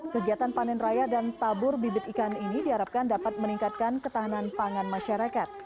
kegiatan panen raya dan tabur bibit ikan ini diharapkan dapat meningkatkan ketahanan pangan masyarakat